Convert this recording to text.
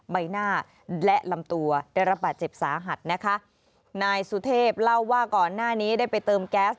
ใบหน้าและลำตัวได้รับบาดเจ็บสาหัสนะคะนายสุเทพเล่าว่าก่อนหน้านี้ได้ไปเติมแก๊ส